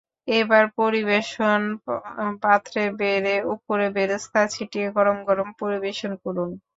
এবার পরিবেশন পাত্রে বেড়ে ওপরে বেরেস্তা ছিটিয়ে গরম গরম পরিবেশন করুন।